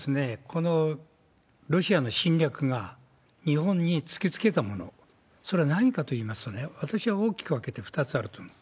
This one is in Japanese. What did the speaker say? このロシアの侵略が日本に突きつけたもの、それは何かといいますとね、私は大きく分けて２つあると思う。